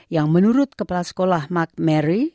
yang menurut kepala sekolah mark mary